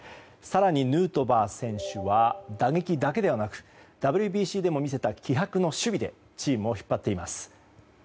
更にヌートバー選手は打撃ではなくＷＢＣでも見せた気迫の守備でチームを引っ張っています。